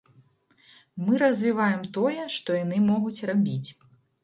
Мы развіваем тое, што яны могуць рабіць.